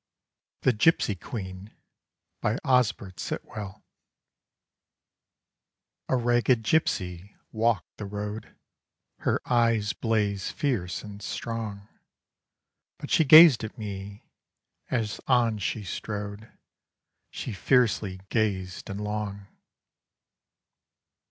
14 OSBERT SITWELL. THE GIPSY QUEEN. A RAGGED Gipsy walked the road, Her eyes blazed fierce and strong But she gazed at me as on she strode She fiercely gazed and long.